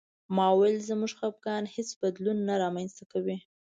ما وویل زموږ خپګان هېڅ بدلون نه رامنځته کوي